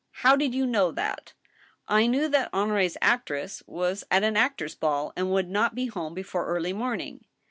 " How did you know that }"" I knew that Henri's actress was at an actors' ball, and would not be home before early morning.